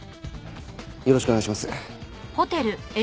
よろしくお願いします。